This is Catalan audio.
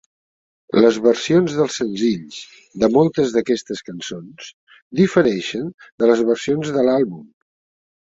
Les versions dels senzills de moltes d'aquestes cançons difereixen de les versions de l'àlbum.